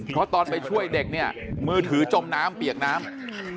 เพราะตอนไปช่วยเด็กเนี่ยมือถือจมน้ำเปียกน้ำ